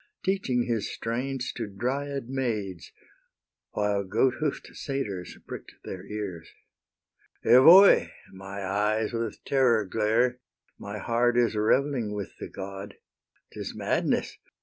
Teaching his strains to Dryad maids, While goat hoof'd satyrs prick'd their ears. Evoe! my eyes with terror glare; My heart is revelling with the god; 'Tis madness!